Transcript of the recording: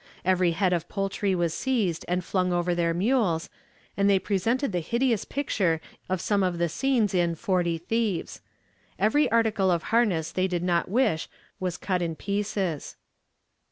Every head of poultry was seized and flung over their mules, and they presented the hideous picture in some of the scenes in 'Forty Thieves.' Every article of harness they did not wish was cut in pieces.